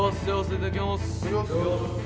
いただきます。